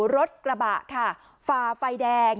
รถกระบะค่ะฝ่าไฟแดง